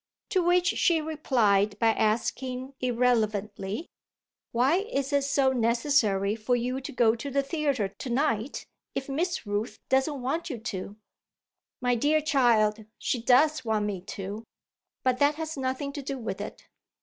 To which she replied by asking irrelevantly: "Why is it so necessary for you to go to the theatre to night if Miss Rooth doesn't want you to?" "My dear child, she does want me to. But that has nothing to do with it."